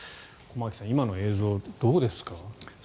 駒木さん、今の映像どうですか？